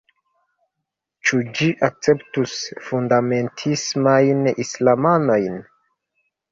Ĉu ĝi akceptus fundamentismajn islamanojn?